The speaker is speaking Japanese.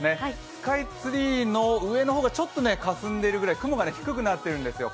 スカイツリーの上の方がちょっとかすんでいるぐらい、雲が低くなっているんですよ。